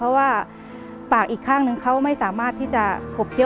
รายการต่อไปนี้เป็นรายการทั่วไปสามารถรับชมได้ทุกวัย